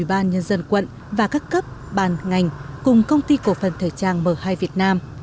ủy ban nhân dân quận và các cấp bàn ngành cùng công ty cổ phần thời trang m hai việt nam